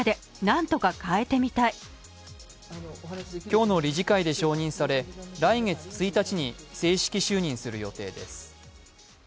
今日の理事会で承認され、来月１日に正式就任する予定です。